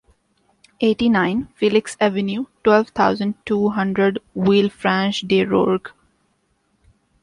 Eighty-nine, Felix avenue, twelve thousand two hundred Villefranche-de-Rouergue